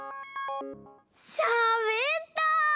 しゃべった！